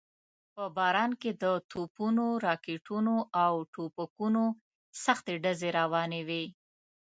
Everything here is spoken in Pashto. په باران کې د توپونو، راکټونو او ټوپکونو سختې ډزې روانې وې.